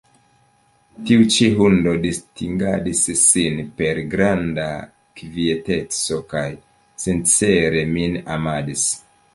Tiu ĉi hundo distingadis sin per granda kvieteco kaj sincere min amadis.